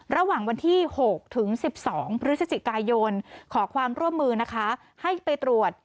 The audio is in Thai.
ระหว่างวันที่๖ถึง๑๒พฤศจิกายนขอความร่วมมือนะคะให้ไปตรวจ